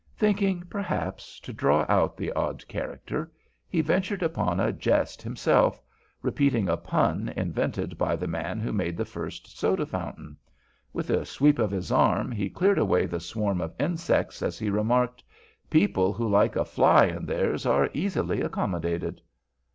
Thinking, perhaps, to draw out the odd character, he ventured upon a jest himself, repeating a pun invented by the man who made the first soda fountain. With a sweep of his arm he cleared away the swarm of insects as he remarked, "People who like a fly in theirs are easily accommodated."